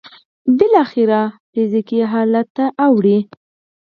بالاخره فزيکي حالت ته اوړي.